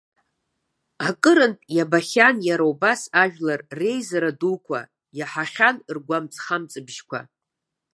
Акырынтә иабахьан иара убас ажәлар реизара дуқәа, иаҳахьан ргәамҵ-хамҵбыжьқәа.